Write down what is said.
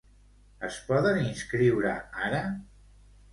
Es poden inscriure ara?